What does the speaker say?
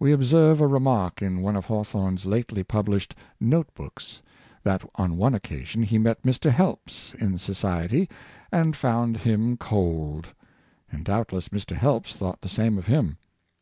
We observe a remark in one of Hawthorne's lately published " Note books," that on one occasion he met Mr. Helps in society, and found him '' cold." And doubtless Mr. Helps thought the same of him.